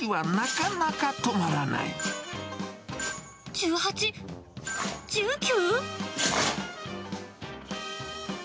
１８、１９。